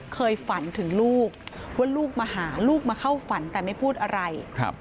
เคยฝันถึงลูกว่าลูกมาหาลูกมาเข้าฝันแต่ไม่พูดอะไร